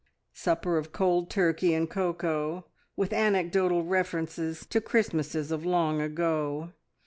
Supper of cold turkey and cocoa, with anecdotal references to Christmases of long ago.